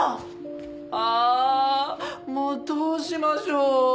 ああもうどうしましょう。